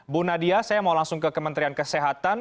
bu nadia saya mau langsung ke kementerian kesehatan